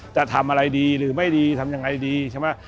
จะทำอะไรดีหรือไม่ดีทำยังไงดีใช่ไหม